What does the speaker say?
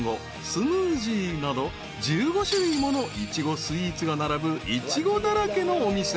スムージーなど１５種類ものいちごスイーツが並ぶいちごだらけのお店］